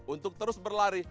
untuk terus berlari